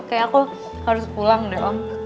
kayak aku harus pulang deh om